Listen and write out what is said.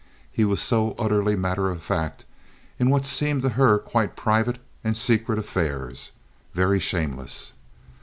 He was so utterly matter of fact in what seemed to her quite private and secret affairs—very shameless.